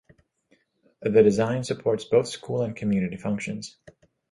The design supports both school and community functions.